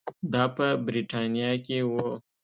دا په برېټانیا کې وو.